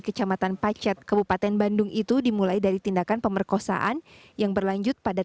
kecamatan pacet kebupaten bandung itu dimulai dari tindakan pemerkosaan yang berlanjut pada